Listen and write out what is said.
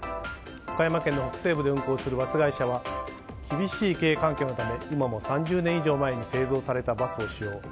岡山県の北西部で運行するバス会社は厳しい経営環境のため今も３０年以上前に製造されたバスを使用。